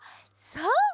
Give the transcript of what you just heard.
そう。